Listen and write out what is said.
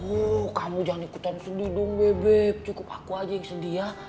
oh kamu jangan ikutan sedih dong beb cukup aku aja yang sedih ya